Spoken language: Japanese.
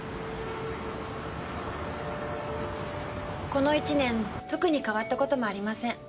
この１年特に変わったこともありません。